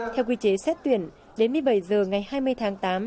theo quy chế xét tuyển đến một mươi bảy h ngày hai mươi tháng tám